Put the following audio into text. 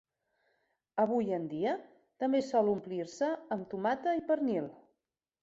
Avui en dia, també sol omplir-se amb tomata i pernil.